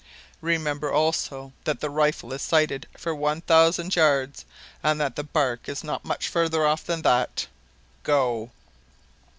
Remember, also, that the rifle is sighted for one thousand yards, and that the barque is not much farther off than that. Go!"